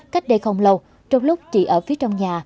cách đây không lâu trong lúc chị ở phía trong nhà